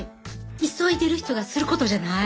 急いでる人がすることじゃない。